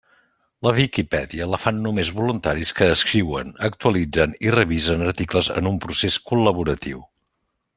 La Viquipèdia la fan només voluntaris que escriuen, actualitzen i revisen articles en un procés col·laboratiu.